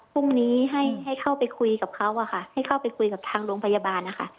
พรุ่งนี้ให้เข้าไปคุยกับเขาอะค่ะให้เข้าไปคุยกับทางโรงพยาบาลนะคะ